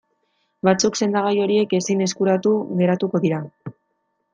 Batzuk sendagai horiek ezin eskuratu geratuko dira.